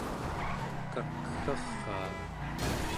kakgaraa